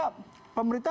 nah selain itu ternyata